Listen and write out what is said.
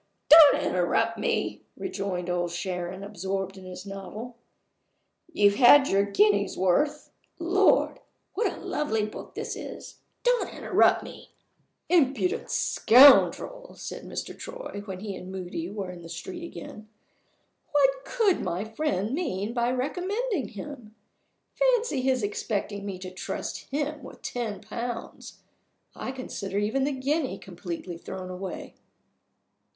"Don't interrupt me!" rejoined Old Sharon, absorbed in his novel. "You've had your guinea's worth. Lord! what a lovely book this is! Don't interrupt me!" "Impudent scoundrel!" said Mr. Troy, when he and Moody were in the street again. "What could my friend mean by recommending him? Fancy his expecting me to trust him with ten pounds! I consider even the guinea completely thrown away."